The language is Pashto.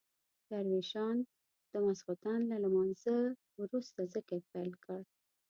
درویشان د ماخستن له لمانځه وروسته ذکر پیل کړ.